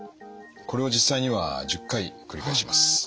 これを実際には１０回繰り返します。